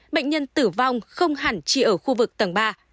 bệnh nhân tử vong không hẳn chỉ ở khu vực tầng ba